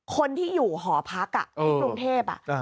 คนที่อยู่หอพักอ่ะในกรุงเทพอ่ะอ่า